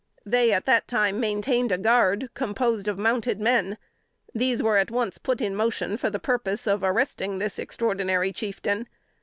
They at that time maintained a guard, composed of mounted men: these were at once put in motion for the purpose of arresting this extraordinary chieftain.